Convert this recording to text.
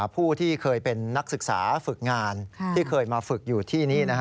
ผู้ที่เคยเป็นนักศึกษาฝึกงานที่เคยมาฝึกอยู่ที่นี่